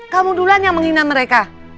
kamu duluan yang menghina mereka